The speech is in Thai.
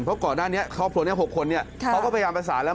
เพราะก่อนหน้านี้ครอบครัวนี้๖คนเขาก็พยายามประสานแล้ว